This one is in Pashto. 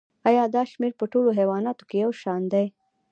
ایا دا شمیر په ټولو حیواناتو کې یو شان دی